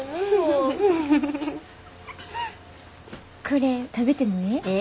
これ食べてもええ？